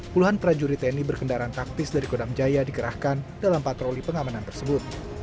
puluhan prajurit tni berkendaraan taktis dari kodam jaya dikerahkan dalam patroli pengamanan tersebut